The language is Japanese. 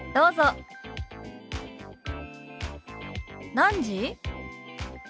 「何時？」。